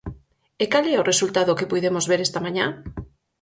E cal é o resultado que puidemos ver está mañá?